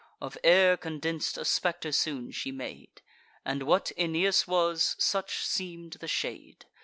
Of air condens'd a spectre soon she made; And, what Aeneas was, such seem'd the shade.